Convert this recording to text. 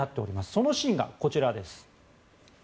そのシーンがこちらです。